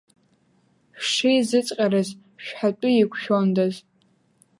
Шәшеизыҵҟьарыз, шәҳәатәы еиқәшәондаз!